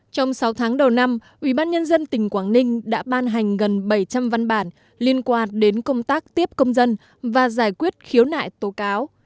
trong sáu tháng đầu năm ubnd tỉnh quảng ninh đã ban hành gần bảy trăm linh văn bản liên quan đến công tác tiếp công dân và giải quyết khiếu nại tố cáo